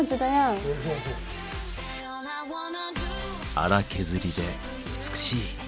荒削りで美しい。